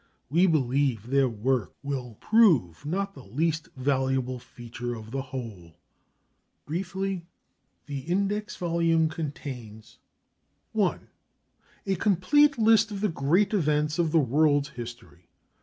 We believe their work will prove not the least valuable feature of the whole. Briefly, the Index Volume contains: 1. A complete list of the Great Events of the world's history.